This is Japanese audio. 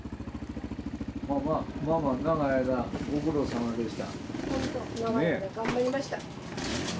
ママ長い間ご苦労さまでした。